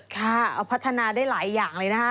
ค่ะเอาพัฒนาได้หลายอย่างเลยนะคะ